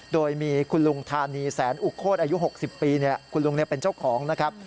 โดยมีคุณลุงธานีแสนอุโคตรอายุ๖๐ปีคุณลุงเป็นเจ้าของนะครับ